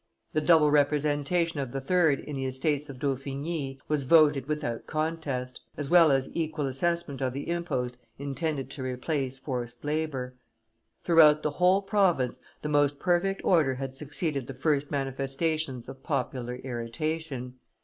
The double representation of the third in the estates of Dauphiny was voted without contest, as well as equal assessment of the impost intended to replace forced labor. Throughout the whole province the most perfect order had succeeded the first manifestations of popular irritation.